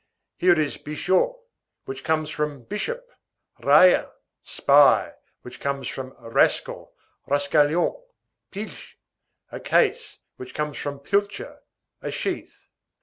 Here is bichot, which comes from bishop; raille, spy, which comes from rascal, rascalion; pilche, a case, which comes from pilcher, a sheath.